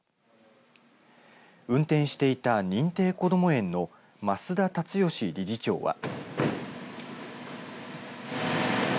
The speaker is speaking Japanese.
運転していた認定こども園の増田立義理事長は。